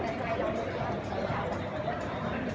พี่แม่ที่เว้นได้รับความรู้สึกมากกว่า